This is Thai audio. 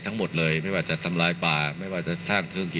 ทรงมีลายพระราชกระแสรับสู่ภาคใต้